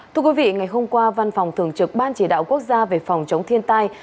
thưa quý vị ngày hôm qua văn phòng thường trực ban chỉ đạo quốc gia về phòng chống thiên tai